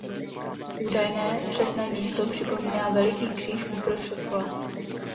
Údajné přesné místo připomíná veliký kříž uprostřed pole.